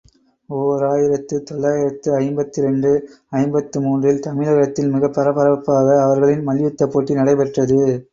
ஓர் ஆயிரத்து தொள்ளாயிரத்து ஐம்பத்திரண்டு ஐம்பத்து மூன்று ல் தமிழகத்தில் மிகப் பரபரப்பாக அவர்களின் மல்யுத்தப்போட்டி நடைபெற்றது.